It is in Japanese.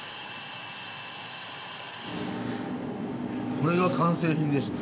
これが完成品ですね。